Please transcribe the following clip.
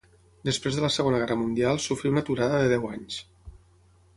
Després de la Segona Guerra Mundial sofrí una aturada de deu anys.